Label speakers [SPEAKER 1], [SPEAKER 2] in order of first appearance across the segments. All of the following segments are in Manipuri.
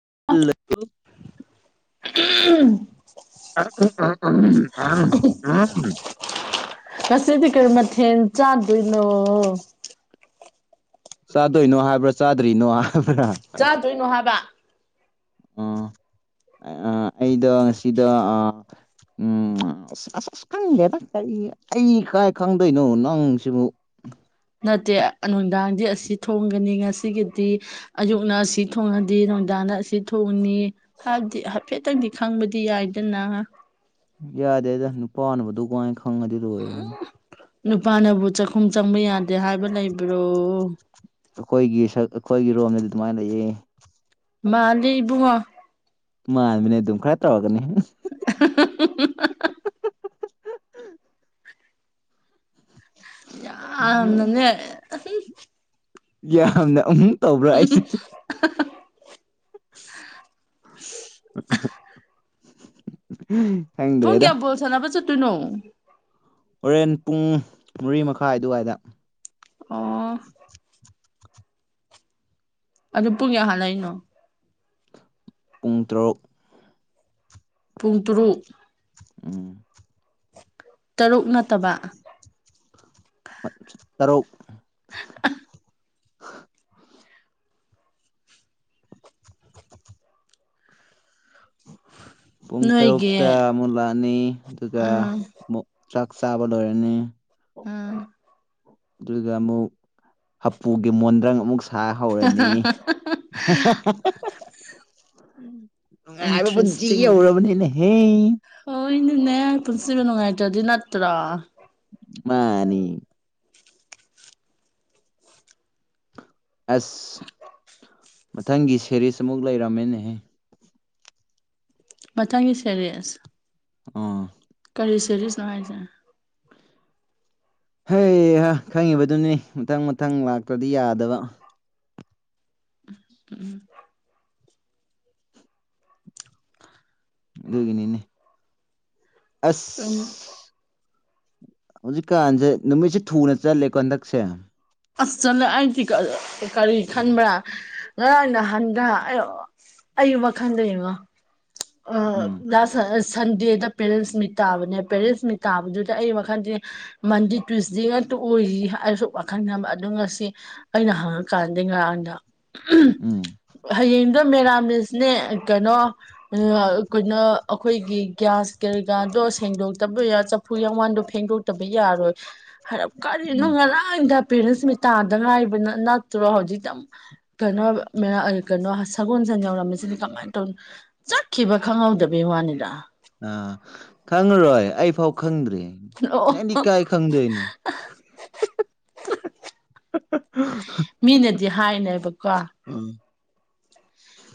[SPEAKER 1] ꯎ
[SPEAKER 2] ꯑ ꯑꯝ
[SPEAKER 1] ꯉꯁꯤꯗꯤ ꯀꯔꯤ ꯃꯊꯦꯜ ꯆꯥꯗꯣꯏꯅꯣ
[SPEAKER 2] ꯆꯥꯗꯣꯏꯅꯣ ꯍꯥꯏꯕ꯭ꯔꯥ ꯆꯥꯗ꯭ꯔꯤꯅꯣ ꯍꯥꯏ
[SPEAKER 1] ꯆꯥꯗꯣꯏꯅꯣ ꯍꯥꯏꯕ
[SPEAKER 2] ꯑ ꯑꯩꯗꯣ ꯉꯁꯤꯗꯣ ꯎꯝ ꯑꯁ ꯑꯁ ꯑꯁ ꯈꯪꯗꯦꯗ ꯀꯔꯤ ꯑꯩ ꯀꯥꯏ ꯈꯪꯗꯣꯏꯅꯣ ꯅꯪꯁꯤꯕꯨ
[SPEAKER 1] ꯅꯠꯇꯦ ꯅꯨꯡꯗꯥꯡꯗꯤ ꯑꯁꯤ ꯊꯣꯡꯒꯅꯤ ꯉꯁꯤꯒꯤꯗꯤ ꯑꯌꯨꯛꯅ ꯑꯁꯤ ꯊꯣꯡꯉꯗꯤ ꯅꯨꯡꯗꯥꯡꯅ ꯑꯁꯤ ꯊꯣꯡꯅꯤ ꯍꯥꯏꯕꯗꯤ ꯍꯥꯏꯐꯦꯠꯇꯪꯗꯤ ꯈꯪꯕꯗꯤ ꯌꯥꯏꯗꯅ
[SPEAKER 2] ꯌꯥꯗꯦꯗ ꯅꯨꯄꯥꯅꯕꯗꯨ ꯑꯗꯨ ꯀꯥꯏꯅ ꯈꯪꯉꯗꯤ ꯂꯣꯏꯔꯦ
[SPEAKER 1] ꯅꯨꯄꯥꯅꯕꯨ ꯆꯥꯛꯈꯨꯝ ꯆꯪꯕ ꯌꯥꯗꯦ ꯍꯥꯏꯕ ꯂꯩꯕ꯭ꯔꯣ
[SPEAKER 2] ꯑꯩꯈꯣꯏꯒꯤ ꯁꯛ ꯑꯩꯈꯣꯏꯒꯤ ꯔꯣꯝꯗꯗꯤ ꯑꯗꯨꯃꯥꯏꯅ ꯂꯩꯌꯦ
[SPEAKER 1] ꯃꯥꯟꯗꯦ ꯏꯕꯨꯉꯣ
[SPEAKER 2] ꯃꯥꯟꯕꯅꯦ ꯑꯗꯨꯝ ꯈꯔ ꯇꯧꯔꯛꯀꯥꯅꯤ
[SPEAKER 1] ꯗ ꯌꯝꯅꯥꯅꯦ
[SPEAKER 2] ꯌꯥꯝꯅ ꯎꯝ
[SPEAKER 1] ꯎꯝ
[SPEAKER 2] ꯍꯝ
[SPEAKER 1] ꯄꯨꯡ ꯀꯌꯥꯗ ꯕꯜꯂ ꯁꯥꯅꯕꯥ ꯆꯠꯇꯣꯏꯅꯣ
[SPEAKER 2] ꯍꯣꯔꯦꯟ ꯄꯨꯡ ꯃꯔꯤ ꯃꯈꯥꯏ ꯑꯗꯨꯋꯥꯏꯗ
[SPEAKER 1] ꯑꯣ ꯑꯗꯨ ꯄꯨꯡ ꯀꯌꯥ ꯁꯟꯅꯥꯗꯣꯏꯅꯣ
[SPEAKER 2] ꯄꯨꯡ ꯇꯔꯨꯛ
[SPEAKER 1] ꯄꯨꯡ ꯇꯔꯨꯛ
[SPEAKER 2] ꯎꯝ
[SPEAKER 1] ꯇꯔꯨꯛ ꯅꯠꯇꯕ
[SPEAKER 2] ꯇꯔꯣ
[SPEAKER 1] [unintelligible] [inaudible]
[SPEAKER 2] [unintelligible] [inaudible] ꯄꯨꯡ
[SPEAKER 1] ꯅꯣꯏꯒꯤ
[SPEAKER 2] ꯇꯔꯨꯛꯇ ꯑꯃꯨꯛ ꯂꯥꯛꯑꯅꯤ ꯑꯗꯨꯒ
[SPEAKER 1] ꯑꯥ
[SPEAKER 2] ꯑꯃꯨꯛ ꯆ꯭ꯔꯛ ꯆꯥꯕ ꯂꯣꯏꯔꯅꯤ
[SPEAKER 1] ꯑ [unintelligible] [inaudible]
[SPEAKER 2] ꯑꯗꯨꯗ ꯑꯃꯨꯛ ꯍꯥꯄꯨꯒꯤ ꯃꯣꯟꯗ꯭ꯔꯪ ꯑꯃꯨꯛ ꯁꯥ ꯍꯧꯔꯅꯤ ꯅꯨꯡꯉꯥꯏꯕ ꯄꯨꯟꯁꯤ
[SPEAKER 1] ꯏꯟꯔꯦꯁ
[SPEAKER 2] ꯌꯧꯔꯕꯅꯤꯅꯦꯍꯦ
[SPEAKER 1] ꯅ ꯄꯨꯟꯁꯤꯕꯅꯨꯡꯉꯥꯏ ꯑꯗꯨꯗꯤ ꯅꯠꯇ꯭ꯔ
[SPEAKER 2] ꯃꯥꯅꯤ ꯑꯁ ꯃꯊꯪꯒꯤ ꯁꯦꯔꯤꯁ ꯑꯃꯨꯛ ꯂꯩꯔꯝꯃꯦꯅꯦꯍꯦ
[SPEAKER 1] ꯃꯊꯪꯒꯤ ꯁꯦꯔꯁ
[SPEAKER 2] ꯑꯥ [unintelligible] [inaudible]
[SPEAKER 1] ꯁꯔꯤ ꯁꯔꯤꯁ ꯅꯨꯡꯉꯥꯏꯁꯦ
[SPEAKER 2] ꯍ ꯈꯪꯉꯤꯕꯗꯨꯅꯤ ꯃꯊꯪ ꯃꯊꯪ ꯂꯥꯛꯇ꯭ꯔꯗꯤ ꯌꯥꯗꯕ
[SPEAKER 1] ꯎꯝ [unintelligible] [inaudible]
[SPEAKER 2] ꯑꯗꯨꯒꯤꯅꯤꯅꯤ
[SPEAKER 1] ꯎꯝ
[SPEAKER 2] ꯑꯁ ꯍꯧꯖꯤꯛꯀꯥꯟꯁꯦ ꯅꯨꯃꯤꯠꯁꯦ ꯊꯨꯅ ꯆꯠꯂꯦꯀꯣ ꯍꯟꯗꯛꯁꯦ
[SPEAKER 1] ꯑꯁ ꯆꯠꯂꯦ ꯑꯩꯗꯤ ꯀꯔꯤ ꯈꯟꯕ꯭ꯔꯥ ꯉꯔꯥꯡ ꯅꯍꯥꯟꯒ꯭ꯔ ꯑꯌꯨ ꯋꯥ ꯈꯪꯗ ꯑꯃ ꯑ
[SPEAKER 2] ꯎꯝ
[SPEAKER 1] ꯂ [inaudible] ꯁꯟꯗꯦꯗ ꯄꯦꯔꯦꯟꯁ ꯃꯤꯠ ꯇꯥꯕꯅꯦ ꯄꯦꯔꯦꯟꯁ ꯃꯤꯠ ꯇꯥꯕꯗꯨꯗ ꯑꯩ ꯋꯥꯈꯟꯗꯤ ꯃꯟꯗꯦ ꯇ꯭ꯋꯏꯁꯗꯦꯒ ꯑꯣꯏ [unintelligible] [inaudible] ꯈꯪꯅꯕ ꯑꯗꯨ ꯉꯁꯤ ꯑꯩꯅ ꯍꯪꯉꯀꯥꯟꯗ ꯉꯔꯥꯡꯗ
[SPEAKER 2] ꯎꯝ
[SPEAKER 1] ꯍꯌꯦꯡ ꯑꯗ ꯃꯦꯔꯥꯃꯤꯁꯅꯦ ꯀꯩꯅꯣ ꯀꯩꯅꯣ ꯑꯩꯈꯣꯏꯒꯤ ꯒ꯭ꯌꯥꯁ ꯀꯔꯤ ꯀꯥ ꯑꯣ ꯁꯦꯡꯗꯣꯛꯇꯕ ꯌꯥ ꯆꯐꯨ ꯌꯥꯡꯋꯥꯟꯗꯣ ꯐꯦꯡꯗꯣꯛꯇꯕ ꯌꯥꯔꯣꯏ ꯐꯔꯞ ꯀꯔꯤꯅꯣ
[SPEAKER 2] ꯎꯝ
[SPEAKER 1] ꯉꯔꯥꯡꯊ ꯄꯦꯔꯦꯟꯁ ꯃꯤ ꯇꯥꯗ ꯉꯥꯏꯕꯅ ꯅꯠꯇ꯭ꯔꯣ ꯍꯧꯖꯤꯛꯇꯝ ꯀꯩꯅꯣ ꯀꯩꯅꯣ ꯁꯒꯣꯜ ꯁꯟ ꯌꯥꯧꯔꯝꯃꯤꯁꯤꯗꯤ ꯀꯃꯥꯏꯅ ꯇꯧ ꯆꯠꯈꯤꯕ ꯈꯪꯍꯧꯗꯕꯩ ꯋꯥꯅꯤꯗ
[SPEAKER 2] ꯑꯥ ꯈꯪꯉꯔꯣꯏ ꯑꯩ ꯐꯥꯎ ꯈꯪꯗ꯭ꯔꯤ
[SPEAKER 1] ꯑꯣ
[SPEAKER 2] ꯅꯗꯤ ꯀꯥꯏ ꯈꯪꯗꯏꯅ
[SPEAKER 1] ꯃꯤꯅꯗꯤ ꯍꯥꯏꯅꯦꯕꯀꯣ
[SPEAKER 2] ꯑꯥ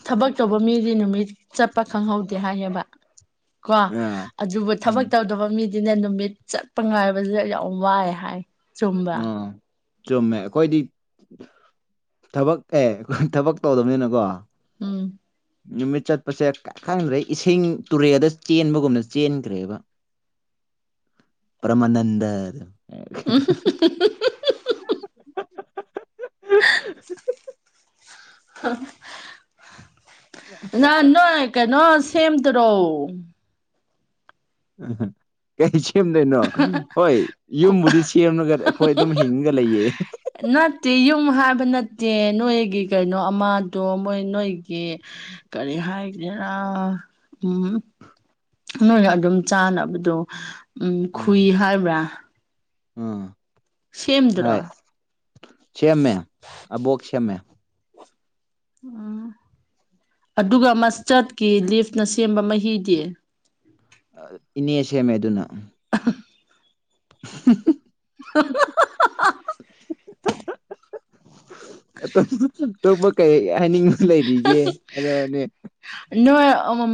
[SPEAKER 1] ꯊꯕꯛ ꯇꯧꯕ ꯃꯤꯗꯤ ꯅꯨꯃꯤꯠ ꯆꯠꯄ ꯈꯪꯍꯧꯗꯦ ꯍꯥꯏꯌꯦꯕ ꯀꯣ ꯑꯗꯨꯕꯨ ꯊꯕꯛ ꯇꯧꯗꯕ ꯃꯤ ꯑꯗꯨꯅ ꯅꯨꯃꯤꯠ ꯆꯠꯄ ꯉꯥꯏꯕꯁ ꯌꯥꯝ ꯋꯥꯏ ꯍꯥꯏ ꯆꯨꯝꯕ
[SPEAKER 2] ꯑꯥ ꯆꯨꯝꯃꯦ ꯑꯩꯈꯣꯏꯗꯤ ꯊꯕꯛ ꯑꯦ ꯊꯕꯛ ꯇꯧꯗꯕꯅꯤꯅꯀꯣ
[SPEAKER 1] ꯎꯝ
[SPEAKER 2] ꯅꯨꯃꯤꯠ ꯆꯠꯄꯁꯦ ꯈꯪꯗ꯭ꯔꯦ ꯏꯁꯤꯡ ꯇꯨꯔꯦꯜꯗ ꯆꯦꯟꯕꯒꯨꯝꯅ ꯆꯦꯟꯈ꯭ꯔꯦꯕ
[SPEAKER 1] [unintelligible] [inaudible]
[SPEAKER 2] ꯄꯃꯅꯟꯗ
[SPEAKER 1] [unintelligible] [inaudible]
[SPEAKER 2] [inaudible] [unintelligible]
[SPEAKER 1] [inaudible] ꯉꯅꯣ ꯀꯩꯅꯩꯅꯣ ꯁꯃꯇ ꯔꯣ
[SPEAKER 2] ꯀꯩ ꯁꯦꯝꯗꯣꯏꯅꯣ ꯍꯣꯏ ꯌꯨꯝꯕꯨꯗꯤ ꯁꯦꯝꯂꯒ ꯑꯩꯈꯣꯏ ꯑꯗꯨꯝ ꯍꯤꯡꯉ ꯒ ꯂꯩꯌꯦ
[SPEAKER 1] ꯅꯠꯇꯦ ꯌꯨꯝ ꯍꯥꯏꯕ ꯅꯠꯇꯦ ꯅꯣꯏꯒꯤ ꯀꯩꯅꯣ ꯑꯃꯗꯣ ꯃꯣꯏ ꯅꯣꯏꯒꯤ ꯀꯔꯤ ꯍꯥꯏꯒꯦꯔꯥ ꯎꯝ ꯅꯣꯏꯅ ꯑꯗꯨꯝ ꯆꯥꯅꯕꯗꯣ ꯎꯝ ꯈꯨꯏ ꯍꯥꯏꯕ꯭ꯔꯥ
[SPEAKER 2] ꯎꯝ
[SPEAKER 1] ꯁꯦꯝꯗ꯭ꯔꯣ
[SPEAKER 2] ꯍꯥꯏ ꯁꯦꯝꯃꯦ ꯑꯕꯣꯛꯣꯛꯁꯃꯦ
[SPEAKER 1] ꯑꯥ ꯑꯗꯨꯒ ꯃꯁꯇꯔꯠꯀꯤ ꯂꯤꯐꯅ ꯁꯦꯝꯕ ꯃꯍꯤꯗꯤ
[SPEAKER 2] ꯏꯅꯦ ꯁꯦꯝꯦꯃꯦ ꯑꯗꯨꯅ [unintelligible]
[SPEAKER 1] [unintelligible]
[SPEAKER 2] ꯑꯞꯇꯞꯄ ꯀꯩ ꯍꯥꯏꯅꯤꯡꯕꯁꯨ ꯂꯩꯔꯤꯒꯦ ꯍꯥꯏꯣꯅꯦ
[SPEAKER 1] ꯏꯣ ꯎꯝ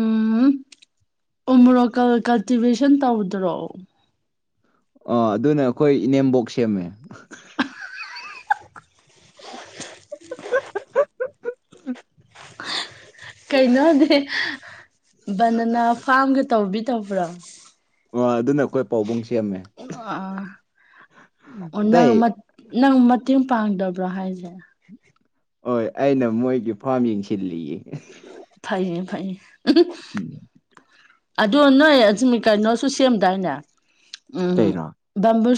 [SPEAKER 1] ꯎꯃ꯭ꯔꯣꯀꯜ ꯀꯜꯇꯤꯚꯦꯁꯟ ꯇꯧꯗ꯭ꯔꯣ
[SPEAKER 2] ꯑ ꯑꯗꯨꯅ ꯑꯩꯈꯣꯏ ꯏꯅꯦꯝꯕꯣꯛ ꯁꯦꯝꯃꯦ
[SPEAKER 1] ꯀꯩꯅꯣꯗꯤ ꯕꯅꯅꯥ ꯐꯥꯝꯒ ꯇꯧꯕꯤ ꯇꯧꯕ꯭ꯔꯥ
[SPEAKER 2] ꯑ ꯑꯗꯨꯅ ꯑꯩꯈꯣꯏ ꯄꯥꯎꯕꯨꯡꯁꯦ
[SPEAKER 1] ꯑ ꯑꯣꯟꯅꯪ
[SPEAKER 2] ꯑꯇꯩ
[SPEAKER 1] ꯃ ꯅꯪ ꯃꯇꯦꯡ ꯄꯥꯡꯗꯕ꯭ꯔꯣ ꯍꯥꯏꯁꯦ
[SPEAKER 2] ꯍꯣꯏ ꯑꯩꯅ ꯃꯣꯏꯒꯤ ꯐꯥꯝ ꯌꯦꯡꯁꯤꯜꯂꯤꯌꯦ
[SPEAKER 1] ꯐꯥꯏꯌꯦ ꯐꯥꯏꯌꯦ ꯑꯗꯨ ꯅꯣꯏ ꯑꯃꯤ ꯀꯩꯅꯣꯁꯨ ꯁꯦꯝꯗꯥꯏꯅꯦ ꯎꯝ
[SPEAKER 2] ꯀꯩꯔꯣ
[SPEAKER 1] ꯕꯝꯕꯨ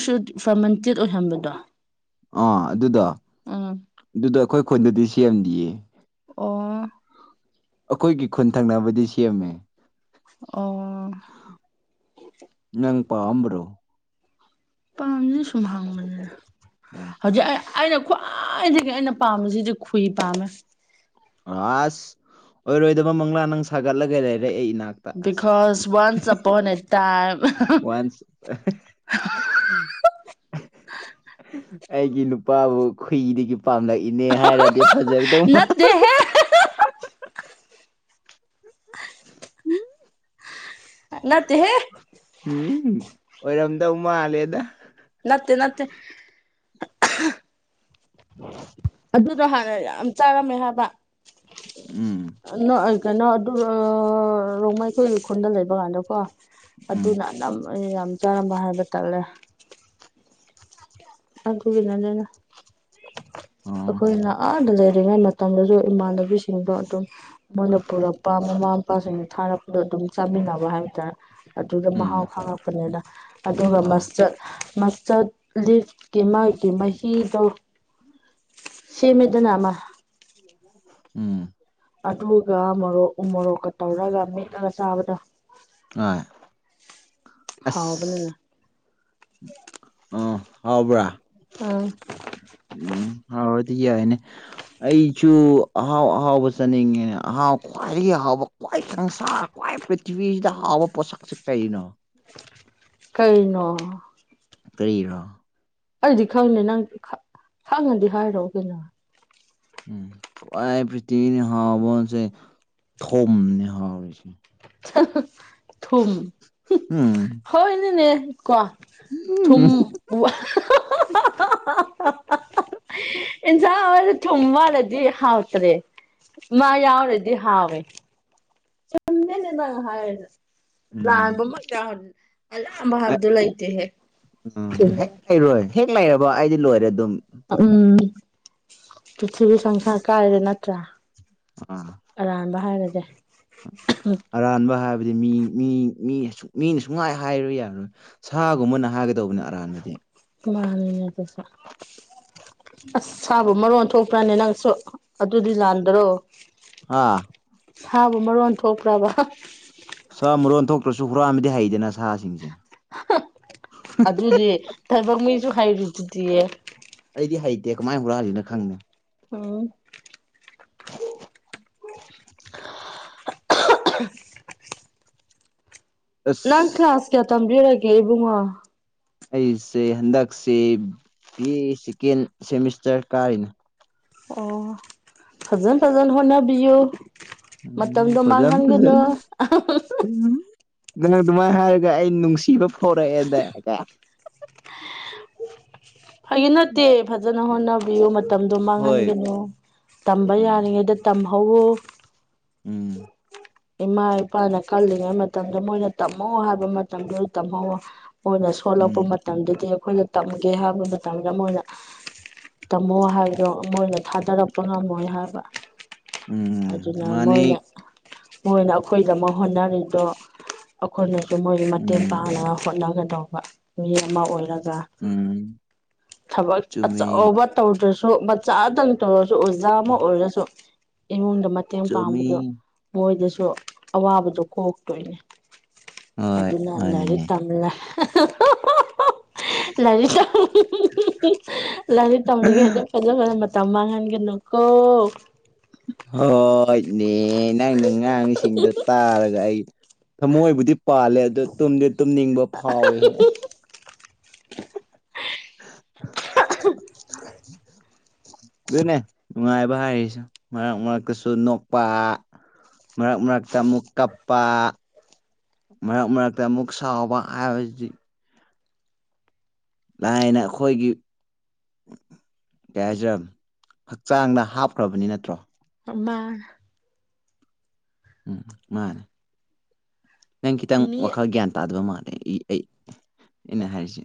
[SPEAKER 1] ꯐꯃꯟꯆꯤꯠ ꯑꯣꯏꯍꯟꯕꯗꯣ
[SPEAKER 2] ꯑ ꯑꯗꯨꯗ
[SPEAKER 1] ꯑꯝ
[SPEAKER 2] ꯑꯗꯨꯗ ꯑꯩꯈꯣꯏ ꯈꯨꯟꯗꯗꯤ ꯁꯦꯝꯂꯤꯌꯦ
[SPEAKER 1] ꯑꯣ
[SPEAKER 2] ꯑꯩꯈꯣꯏꯒꯤ ꯈꯨꯟ ꯊꯪꯅꯕꯗꯤ ꯁꯦꯝꯃꯦ
[SPEAKER 1] ꯑꯣ
[SPEAKER 2] ꯅꯪ ꯄꯥꯝꯕ꯭ꯔꯣ
[SPEAKER 1] ꯄꯥꯝꯁꯤ ꯁꯨꯝ ꯍꯥꯡꯕꯁ
[SPEAKER 2] ꯎꯝ
[SPEAKER 1] ꯍꯧꯖꯤꯛ ꯑꯩꯅ ꯈ꯭ꯋꯥꯏꯗꯒꯤ ꯑꯩꯅ ꯄꯥꯝꯕꯁꯤꯗꯤ ꯈꯨꯏ ꯄꯥꯝꯃꯦ
[SPEAKER 2] ꯑꯁ ꯑꯣꯏꯔꯣꯏꯗꯕ ꯃꯪꯂꯥ ꯅꯪ ꯁꯥꯒꯠꯂꯒ ꯂꯩꯔꯦ ꯑꯩ ꯏꯅꯥꯛꯇ ꯑꯁ
[SPEAKER 1] ꯀꯣꯁ ꯋꯥꯟꯁ ꯑꯄꯟ ꯑꯦ ꯇꯥꯏ
[SPEAKER 2] ꯋꯥꯟꯁ ꯑꯩꯒꯤ ꯅꯨꯄꯥꯕꯨ ꯈꯨꯍꯤꯗꯒꯤ ꯄꯥꯝꯂꯛ ꯏꯅꯦ ꯍꯥꯏꯔꯗꯤ ꯐꯖꯒꯗꯧ ꯃꯥ
[SPEAKER 1] ꯅꯠꯇꯦꯍꯦ ꯅꯠꯇꯦꯍꯦ
[SPEAKER 2] ꯎꯝ ꯑꯣꯏꯔꯝꯗꯧ ꯃꯥꯜꯂꯦꯗ
[SPEAKER 1] ꯅꯠꯇꯦ ꯅꯠꯇꯦ ꯑꯗꯨꯗꯣ ꯍꯥꯟꯅ ꯌꯥꯝ ꯆꯥꯔꯝꯃꯦ ꯍꯥꯏꯕ
[SPEAKER 2] ꯎꯝ
[SPEAKER 1] ꯀꯩꯅꯣ ꯑꯗꯨ ꯔꯣꯡꯃꯥꯏꯈꯣꯏ ꯈꯨꯨꯟꯗ ꯂꯩꯕ ꯀꯥꯟꯗꯀꯣ
[SPEAKER 2] ꯎꯝ
[SPEAKER 1] ꯑꯗꯨꯅ ꯅꯝ ꯑꯩ ꯌꯥꯝ ꯆꯥꯔꯝꯕ ꯍꯥꯏꯕ ꯇꯥꯜꯂꯦ ꯑꯨ ꯀꯅꯗꯅ
[SPEAKER 2] ꯑꯣ
[SPEAKER 1] ꯑꯩꯈꯣꯏꯅ ꯑꯗ ꯂꯩ ꯑꯣꯏꯔꯤꯉꯩ ꯃꯇꯝꯗꯁꯨ ꯏꯃꯥꯟꯅꯕꯤꯁꯤꯡꯗꯣ ꯑꯗꯨꯝ ꯃꯉꯅ ꯄꯨꯔꯛꯄ ꯃꯃꯥ ꯃꯄꯥꯁꯤꯡꯅ ꯊꯥꯔꯛꯄ ꯑꯗꯣ ꯑꯗꯨꯝ ꯆꯥꯃꯤꯟꯅꯕ ꯍꯥꯏꯕ ꯇꯔꯦ ꯑꯗꯨꯒꯗ ꯃꯍꯥꯎ
[SPEAKER 2] ꯎꯝ
[SPEAKER 1] ꯈꯥꯡꯉꯛꯄꯅꯤꯅ ꯑꯗꯨꯒ
[SPEAKER 2] ꯑ
[SPEAKER 1] ꯃꯁꯆꯠ ꯃꯁꯆꯠ ꯂꯤꯛ ꯀ ꯃꯥꯒꯤ ꯃꯍꯤꯗꯣ ꯁꯦꯝꯃꯦꯗꯅ ꯑꯃ
[SPEAKER 2] ꯎꯝ
[SPEAKER 1] ꯑꯗꯨꯒ ꯃꯣꯔꯣꯛ ꯎ ꯃꯣꯔꯣꯛꯀ ꯇꯧꯔꯒ ꯃꯦꯠꯂꯒ ꯆꯥꯕꯗ
[SPEAKER 2] ꯑ
[SPEAKER 1] ꯍꯥꯎꯕꯅꯤꯅ
[SPEAKER 2] ꯑꯁ ꯑꯥ ꯍꯥꯎꯕ꯭ꯔꯥ
[SPEAKER 1] ꯑꯥ
[SPEAKER 2] ꯎꯝ ꯍꯥꯎꯔꯗꯤ ꯌꯥꯏꯅꯦ ꯑꯩꯁꯨ ꯑꯍꯥꯎ ꯑꯍꯥꯎꯕ ꯆꯠꯅꯤꯡꯉꯦꯅꯦ ꯑꯍꯥꯎ ꯈ꯭ꯋꯥꯏꯗꯒꯤ ꯑꯍꯥꯎꯕ ꯈ꯭ꯋꯥꯏ ꯁꯪꯁꯥ ꯈ꯭ꯋꯥꯏ ꯄ꯭ꯔꯤꯊꯤꯕꯤꯁꯤꯗ ꯍꯥꯎꯕ ꯄꯣꯠꯁꯛꯁꯤꯦ ꯀꯩꯅꯣ
[SPEAKER 1] ꯀꯩꯅꯣ
[SPEAKER 2] ꯀꯔꯤꯔꯥ
[SPEAKER 1] ꯑꯩꯗꯤ ꯈꯪꯗꯦ ꯅꯪ ꯈꯪꯉꯥꯗꯤ ꯍꯥꯏꯔꯛꯑꯣ ꯀꯩꯅꯣ
[SPEAKER 2] ꯎꯝ ꯈꯋ꯭ꯥꯏ ꯄꯔꯤꯊꯤꯕꯤꯗ ꯍꯥꯎꯕꯥꯁꯦ ꯊꯨꯝꯅꯦ ꯍꯥꯎꯔꯤꯁꯦ
[SPEAKER 1] ꯊꯨꯝ
[SPEAKER 2] ꯎꯝ
[SPEAKER 1] ꯍꯣꯏꯅꯦ ꯀꯣ ꯊꯨꯝ
[SPEAKER 2] ꯎꯝ
[SPEAKER 1] ꯏꯟꯁꯥꯡ ꯍꯥꯎꯍꯜꯂꯤꯁꯦ ꯊꯨꯝ ꯋꯥꯠꯂꯗꯤ ꯍꯥꯎꯇ꯭ꯔꯦ ꯃꯥ ꯌꯥꯎꯔꯗꯤ ꯍꯥꯎꯋꯦ ꯆꯨꯝꯃꯦꯅꯦ ꯅꯪꯅ ꯍꯥꯏꯁꯦ
[SPEAKER 2] ꯎꯝ
[SPEAKER 1] ꯂꯥꯟꯕ ꯃꯛ ꯑꯔꯥꯟꯕ ꯍꯥꯏꯕꯗꯨ ꯂꯩꯇꯦꯍꯦ
[SPEAKER 2] ꯎꯝ ꯍꯦꯛ
[SPEAKER 1] ꯆꯨꯝꯃꯤꯅꯦ
[SPEAKER 2] ꯂꯩꯔꯣꯏ ꯍꯦꯛ ꯂꯩꯔꯕ ꯑꯩꯗꯤ ꯂꯣꯏꯔꯦ ꯑꯗꯨꯝ
[SPEAKER 1] ꯎꯝ ꯄ꯭ꯔꯤꯊꯤꯕꯤ ꯁꯪꯁꯥꯔ ꯀꯥꯏꯔꯦ ꯅꯠꯇ꯭ꯔꯥ
[SPEAKER 2] ꯑꯥ
[SPEAKER 1] ꯑꯔꯥꯟꯕ ꯍꯥꯏꯔꯒꯦ
[SPEAKER 2] ꯑꯔꯥꯟꯕ ꯍꯥꯏꯕ ꯍꯥꯏꯕꯗꯤ ꯃꯤ ꯃꯤꯅ ꯁꯨꯡꯍꯥꯏ ꯍꯥꯏꯕ ꯌꯥꯔꯣꯏ ꯁꯥꯒꯨꯝꯕꯅ ꯍꯥꯏꯒꯗꯧꯕꯅꯤ ꯑꯔꯥꯟꯕꯗꯤ
[SPEAKER 1] ꯃꯥꯅꯤꯅꯦ ꯑꯗꯨꯁꯨ ꯑꯁ ꯁꯥꯕ ꯃꯔꯣꯟ ꯊꯣꯛꯄ꯭ꯔꯥꯅꯦ ꯅꯪꯁꯨ ꯑꯗꯨꯗꯤ ꯂꯥꯟꯗ꯭ꯔꯣ
[SPEAKER 2] ꯍꯥ
[SPEAKER 1] ꯁꯥꯕ ꯃꯔꯣꯟ ꯊꯣꯛꯄ꯭ꯔꯕ
[SPEAKER 2] ꯁꯥ ꯃꯔꯣꯟ ꯊꯣꯛꯇ꯭ꯔꯁꯨ ꯍꯨꯔꯥꯟꯕꯗꯤ ꯍꯩꯗꯅ ꯁꯥꯁꯤꯡꯁꯦ
[SPEAKER 1] ꯑꯗꯨꯗꯤ ꯊꯥꯏꯕꯡ ꯃꯤꯁꯨ ꯍꯩꯔꯤꯗꯨꯗꯤ
[SPEAKER 2] ꯑꯩꯗꯤ ꯍꯩꯇꯦ ꯀꯃꯥꯏ ꯍꯨꯔꯥꯜꯂꯤꯅꯣ ꯈꯪꯗꯦ
[SPEAKER 1] ꯎꯝ [unintelligible] ꯅꯪ
[SPEAKER 2] ꯑꯁ
[SPEAKER 1] ꯀ꯭ꯂꯥꯁ ꯀꯌꯥ ꯇꯝꯕꯤꯔꯒꯦ ꯏꯕꯨꯡꯉꯣ
[SPEAKER 2] ꯑꯩꯁꯦ ꯍꯟꯗꯛꯁꯤ ꯕꯤ ꯑꯦ ꯁꯦꯀꯦꯟ ꯁꯦꯃꯤꯁꯇꯔ ꯀꯥꯔꯤꯅꯦ
[SPEAKER 1] ꯐꯖ ꯐꯖꯅ ꯍꯣꯠꯅꯕꯤꯌꯨ
[SPEAKER 2] ꯎꯝ
[SPEAKER 1] ꯃꯇꯝꯗꯣ
[SPEAKER 2] ꯐꯖ
[SPEAKER 1] ꯃꯥꯡꯍꯟꯒꯅꯨ
[SPEAKER 2] ꯐꯖꯅ ꯅꯪ ꯑꯗꯨꯃꯥꯏꯅ ꯍꯥꯏꯔꯒ ꯑꯩ ꯅꯨꯡꯁꯤꯕ ꯐꯥꯎꯔꯛꯑꯦꯗ
[SPEAKER 1] ꯑꯩꯒꯤ ꯅꯠꯇꯦ ꯐꯖꯅ ꯍꯣꯠꯅꯕꯤꯌꯨ ꯃꯇꯝꯗꯣ
[SPEAKER 2] ꯍꯣꯏ
[SPEAKER 1] ꯃꯥꯡꯍꯟꯒꯅꯨ ꯇꯝꯕ
[SPEAKER 2] ꯎꯝ
[SPEAKER 1] ꯌꯥꯔꯤꯉꯩꯗ ꯇꯝꯍꯧꯋꯣ
[SPEAKER 2] ꯎꯝ
[SPEAKER 1] ꯏꯃꯥ ꯏꯄꯥꯅ ꯀꯜꯂꯤꯉꯩ ꯃꯇꯝꯗ ꯃꯣꯏꯅ ꯇꯝꯍꯧ ꯍꯥꯏꯕ ꯃꯇꯝꯗꯨꯗ ꯇꯝꯍꯧ ꯃꯣꯏꯅ
[SPEAKER 2] ꯎꯝ
[SPEAKER 1] ꯁꯣꯜꯂꯛꯄ ꯃꯇꯝꯗꯗꯤ ꯑꯩꯈꯣꯏꯗ ꯇꯝꯒꯦ ꯍꯥꯏꯕꯗ ꯃꯇꯝꯗ ꯃꯣꯏꯅ ꯇꯝꯃꯣ ꯍꯥꯏꯕꯗꯣ ꯃꯣꯏ ꯑꯣꯏꯅ ꯊꯥꯗꯔꯛꯄ ꯉꯝꯃꯣꯏ ꯍꯥꯏꯕ
[SPEAKER 2] ꯎꯝ
[SPEAKER 1] ꯑꯗꯨꯅ
[SPEAKER 2] ꯃꯥꯅꯤ
[SPEAKER 1] ꯃꯣꯏꯅ ꯃꯣꯏꯅ ꯑꯩꯈꯣꯏꯒꯤꯗꯃꯛ ꯍꯣꯠꯅꯔꯤꯗꯣ ꯑꯩꯈꯣꯏꯅ ꯃꯣꯏꯒꯤ ꯃꯇꯦꯡ
[SPEAKER 2] ꯎꯝ
[SPEAKER 1] ꯄꯥꯡꯅꯕ ꯍꯣꯠꯅꯒꯗꯧꯕ ꯃꯤ ꯑꯃ ꯑꯣꯏꯔꯒ
[SPEAKER 2] ꯎꯝ
[SPEAKER 1] ꯊꯕꯛ
[SPEAKER 2] ꯆꯨꯝꯃꯤ
[SPEAKER 1] ꯑꯆꯧꯕ ꯇꯧꯗ꯭ꯔꯁꯨ ꯃꯆꯥꯗꯪ ꯇꯧꯔꯁꯨ ꯑꯣꯖꯥ
[SPEAKER 2] ꯎꯝ
[SPEAKER 1] ꯑꯃ ꯑꯣꯏꯔꯒꯁꯨ ꯏꯃꯨꯡꯗ ꯃꯇꯦꯡ ꯄꯥꯡꯕꯗꯨ
[SPEAKER 2] ꯆꯨꯝꯃꯤ
[SPEAKER 1] ꯃꯣꯏꯗꯁꯨ ꯑꯣ ꯑꯋꯥꯕꯗꯣ ꯀꯣꯛꯇꯣꯏꯅꯦ
[SPEAKER 2] ꯍꯣꯏ
[SPEAKER 1] ꯑꯗꯨꯅ ꯂꯥꯏꯔꯤꯛ
[SPEAKER 2] ꯃꯥꯅꯤꯅꯦ
[SPEAKER 1] ꯇꯝꯂꯦ ꯂꯩꯔꯤꯛ ꯂꯥꯏꯔꯤꯛ ꯇꯝꯅꯤꯡꯉꯩꯗ ꯐꯖ ꯐꯖꯕ ꯃꯇꯝ ꯃꯥꯡꯍꯟꯒꯅꯨꯀꯣ
[SPEAKER 2] ꯍꯣꯏꯅꯦ ꯅꯪꯅ ꯉꯥꯡꯉꯤꯁꯤꯡꯗꯣ ꯇꯥꯔꯒ ꯑꯩ ꯊꯃꯣꯏꯕꯨꯗꯤ ꯄꯥꯜꯂꯦ ꯑꯗꯨꯗꯣ ꯇꯨꯝꯗꯤ ꯇꯨꯝꯅꯤꯡꯕ ꯐꯥꯎꯋꯦꯍꯦ
[SPEAKER 1] [unintelligible]
[SPEAKER 2] ꯑꯗꯨꯅꯦ ꯅꯨꯡꯉꯥꯏꯕ ꯍꯥꯏꯔꯤꯁ ꯃꯔꯛ ꯃꯔꯛꯇꯁꯨ ꯅꯣꯛꯄꯥ ꯃꯔꯛ ꯃꯔꯛꯇ ꯑꯃꯨꯛ ꯀꯞꯄ ꯃꯔꯛ ꯃꯔꯛꯇ ꯑꯃꯨꯛ ꯁꯥꯎꯕ ꯍꯥꯏꯕꯁꯤ ꯂꯥꯏꯅ ꯑꯩꯈꯣꯏꯒꯤ ꯀꯩ ꯍꯥꯏꯁꯤꯔ ꯍꯛꯆꯥꯡꯗ ꯍꯥꯞꯈ꯭ꯔꯕꯅꯤ ꯅꯠꯇ꯭ꯔꯣ
[SPEAKER 1] ꯝ
[SPEAKER 2] ꯎꯝ ꯃꯥꯅꯦ ꯅꯪ ꯈꯤꯇꯪ
[SPEAKER 1] ꯃꯤ
[SPEAKER 2] ꯋꯥꯈꯜ ꯒ꯭ꯌꯥꯟ ꯇꯥꯗꯕ ꯃꯥꯅꯤ ꯑꯩ ꯑꯩꯅ ꯍꯥꯏꯁꯦ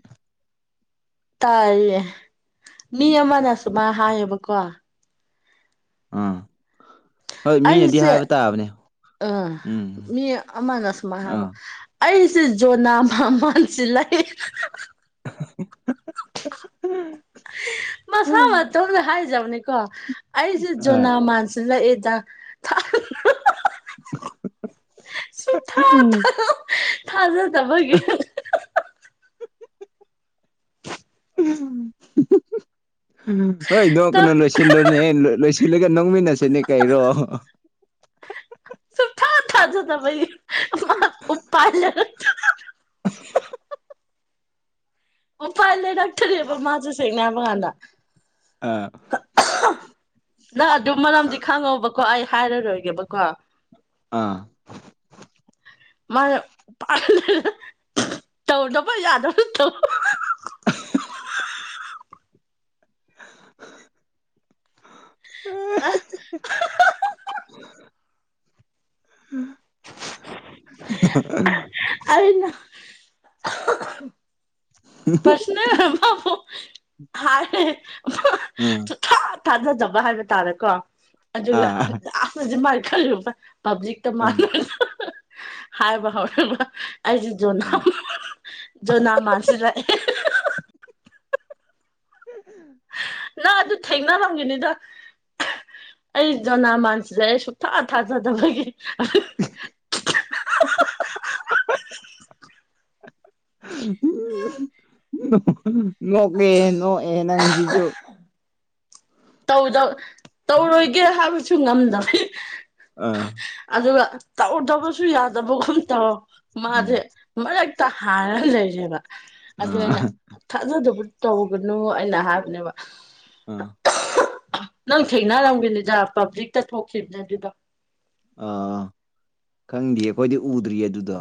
[SPEAKER 1] ꯇꯥꯏꯌꯦ ꯃꯤ ꯑꯃꯅ
[SPEAKER 2] ꯎꯝ
[SPEAKER 1] ꯁꯨꯃꯥꯏ ꯍꯥꯏꯌꯦꯕꯀꯣ
[SPEAKER 2] ꯑꯥ ꯍꯣꯏ ꯃꯤꯅꯗꯤ
[SPEAKER 1] ꯑꯩꯁꯦ
[SPEAKER 2] ꯍꯥꯏꯕ ꯇꯥꯕꯅꯦ
[SPEAKER 1] ꯎꯝ ꯃꯤ ꯑꯃꯅ ꯁꯨꯃꯥꯏꯅ
[SPEAKER 2] ꯑꯥ
[SPEAKER 1] ꯍꯥꯏꯕ ꯑꯩꯁꯦ ꯖꯣꯅꯥ ꯃꯃꯥꯟꯁꯤ ꯂꯩ
[SPEAKER 2] [unintelligible]
[SPEAKER 1] ꯃꯁꯥ ꯃꯇꯣꯗ ꯍꯥꯏꯖꯕꯅꯤꯀꯣ ꯑꯩꯁꯦ ꯖꯣꯅꯥ ꯃꯥꯟꯁꯤꯅ [unintelligible]
[SPEAKER 2] ꯎꯝ
[SPEAKER 1] ꯊꯥꯖ ꯇꯕꯒꯤ
[SPEAKER 2] ꯎ ꯍꯣꯏ ꯅꯣꯡ ꯀꯩꯅꯨ ꯂꯣꯏꯁꯤꯜꯂꯨꯅꯦ ꯂꯣꯏꯁꯤꯜꯂꯒ ꯅꯣꯡꯃꯤꯟꯅꯁꯤꯅꯦ ꯀꯔꯣ
[SPEAKER 1] ꯁꯊꯥ ꯊꯥꯖꯗ ꯄꯩ ꯃꯥ ꯎ ꯄ
[SPEAKER 2] [unintelligible]
[SPEAKER 1] ꯄ ꯄ ꯑ ꯂꯩꯥꯛꯇꯔꯦꯕ ꯃꯥꯖ ꯁꯦꯡꯅꯦ ꯃꯉꯥꯟꯗ
[SPEAKER 2] ꯑꯥ
[SPEAKER 1] ꯅ ꯑꯗꯨꯝ ꯃꯔꯝꯗꯤ ꯈꯪꯉꯕꯀꯣ ꯑꯩ ꯍꯥꯏꯔꯔꯣꯏꯒꯦꯕꯀꯣ
[SPEAKER 2] ꯑꯥ
[SPEAKER 1] ꯃꯥꯥꯏ ꯄ ꯇꯧꯗꯕ ꯌꯥꯗꯕ ꯇꯧ
[SPEAKER 2] [unintelligible]
[SPEAKER 1] [unintelligible]
[SPEAKER 2] [unintelligible] ꯑꯥ
[SPEAKER 1] ꯑ
[SPEAKER 2] [unintelligible]
[SPEAKER 1] ꯑꯩꯅ [unintelligible] ꯄꯁꯅꯦ ꯃꯥ ꯍꯥꯏ
[SPEAKER 2] ꯑꯝ
[SPEAKER 1] ꯁꯨꯊꯥ ꯊꯥꯖꯗꯕ ꯍꯥꯏꯕ ꯇꯥꯔꯦꯀꯣ ꯑꯗꯨꯒ
[SPEAKER 2] ꯑꯥ ꯑꯥ
[SPEAKER 1] ꯑꯅꯖꯤ ꯃꯥꯒꯤ ꯀꯔꯤꯒꯨꯝꯕ ꯄꯕ꯭ꯂꯤꯛꯇ ꯃꯅ ꯍꯥꯏꯕ ꯍꯧꯔꯕ ꯑꯩꯁꯦ ꯖꯣꯅꯥ
[SPEAKER 2] ꯑꯥ
[SPEAKER 1] ꯖꯣꯅꯥ ꯃꯥꯁꯤꯗꯥꯛ ꯅ ꯑꯗꯨ ꯊꯦꯡꯅꯔꯝꯒꯤꯅꯤꯗ ꯑꯩ ꯖꯣꯅꯥꯃꯥꯟꯁꯤꯗꯦ ꯑꯩ ꯁꯨꯡꯊꯥ ꯊꯥꯖꯗꯕꯒꯤ [unintelligible]
[SPEAKER 2] ꯂꯀꯦ ꯅꯣ ꯑꯦ ꯅꯪꯖꯤꯖꯨ
[SPEAKER 1] ꯇꯧꯔꯣꯏꯒꯦ ꯍꯥꯏꯕꯁꯨ ꯉꯝꯗꯕꯅꯤ
[SPEAKER 2] ꯑꯥ
[SPEAKER 1] ꯑꯗꯨꯒ ꯇꯧꯗꯕꯁꯨ ꯌꯥꯗꯕꯒꯨꯝ ꯇꯧ
[SPEAKER 2] ꯎꯝ
[SPEAKER 1] ꯃꯥꯁꯦ ꯃꯔꯛꯇ ꯍꯥꯟꯔꯒ ꯂꯩꯔꯦꯕ ꯑꯗꯨ ꯑꯥꯏꯅ
[SPEAKER 2] ꯑꯥ
[SPEAKER 1] ꯊꯥꯖꯗꯕ ꯇꯧꯒꯅꯨ ꯑꯩꯅ ꯍꯥꯏꯕꯅꯦꯕ
[SPEAKER 2] ꯑꯥ
[SPEAKER 1] ꯅꯪ ꯊꯦꯡꯅꯔꯝꯒꯦꯅꯤꯗ ꯄꯥꯕ꯭ꯂꯤꯛꯇ ꯊꯣꯛꯈꯤꯕꯅꯦ ꯑꯗꯨꯗꯣ
[SPEAKER 2] ꯑꯥ ꯈꯪꯗꯦ ꯑꯩꯈꯣꯏꯗꯤ ꯎꯗ꯭ꯔꯤꯌꯦ ꯑꯗꯨꯗꯣ